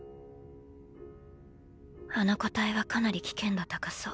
あの個体はかなり危険度高そう。